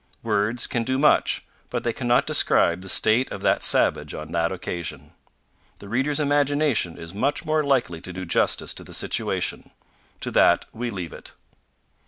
Words can do much, but they cannot describe the state of that savage on that occasion. The reader's imagination is much more likely to do justice to the situation. To that we leave it.